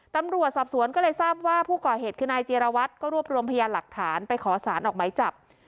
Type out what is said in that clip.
ตำรวจสอบสวนก็เลยทราบว่าผู้ก่อเหตุคือนายจีรวัตรก็รวบรวมพยานหลักฐานไปขอสารออกไหมจับ